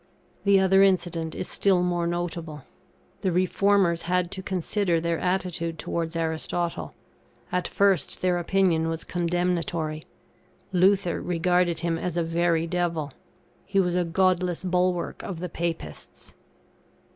The other incident is still more notable. The Reformers had to consider their attitude towards Aristotle. At first their opinion was condemnatory. Luther regarded him as a very devil; he was "a godless bulwark of the Papists".